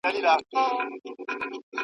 تحقیقات باید له زمانې سره سم وي